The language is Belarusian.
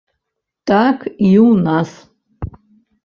Так і ў нас.